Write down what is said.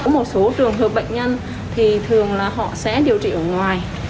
một số trường hợp bệnh nhân thì thường là họ sẽ điều trị ở ngoài